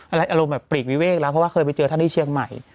อารมณ์แบบปลีกวิเวกแล้วเพราะว่าเคยไปเจอท่านที่เชียงใหม่